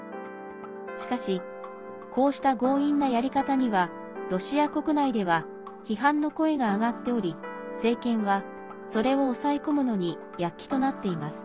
しかしこうした強引なやり方にはロシア国内では批判の声があがっており政権は、それを抑え込むのに躍起となっています。